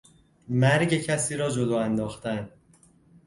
مرگ کسی را جلو انداختن